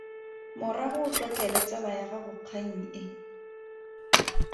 Morago o tlotlele tsala ya gago kgang e.